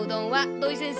土井先生